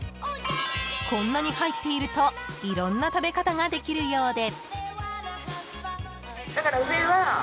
［こんなに入っているといろんな食べ方ができるようで］